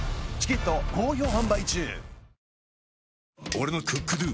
俺の「ＣｏｏｋＤｏ」！